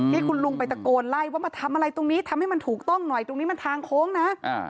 ที่คุณลุงไปตะโกนไล่ว่ามาทำอะไรตรงนี้ทำให้มันถูกต้องหน่อยตรงนี้มันทางโค้งนะ